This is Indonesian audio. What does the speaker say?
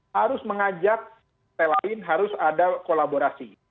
harus mengajak partai lain harus ada kolaborasi